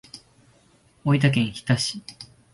大分県日田市